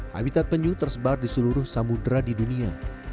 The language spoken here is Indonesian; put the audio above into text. habitat penyuh tersebar di seluruh samudera di dunia